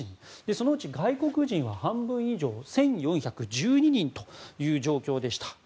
そのうち外国人は半分以上１４１２人という状況でした。